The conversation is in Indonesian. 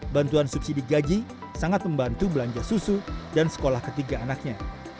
bantuan subsidi gaji sangat membantu belanja susu dan sekolah ketiga anaknya